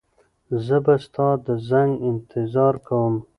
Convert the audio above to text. زه به ستا د زنګ انتظار کوم.